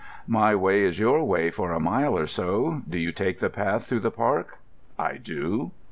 "My way is your way for a mile or so. Do you take the path through the park?" "I do."